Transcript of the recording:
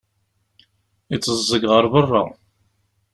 Itteẓẓeg ɣer beṛṛa.